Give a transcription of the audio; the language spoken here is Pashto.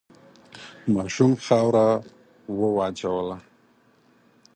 ماشوم خاوره وواچوله.